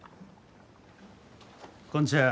こんちは。